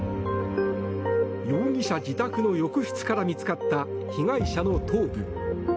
容疑者自宅の浴室から見つかった被害者の頭部。